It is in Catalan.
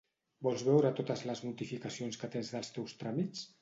Vols veure totes les notificacions que tens dels teus tràmits?